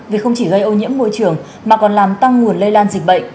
vì không chỉ gây ô nhiễm môi trường mà còn làm tăng nguồn lây lan dịch bệnh